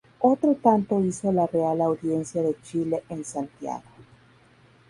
Otro tanto hizo la Real Audiencia de Chile en Santiago.